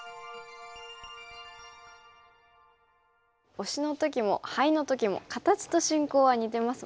オシの時もハイの時も形と進行は似てますもんね。